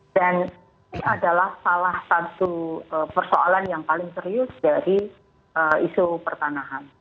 dan ini adalah salah satu persoalan yang paling serius dari isu pertanahan